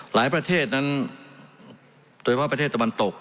ประเทศนั้นโดยเฉพาะประเทศตะวันตก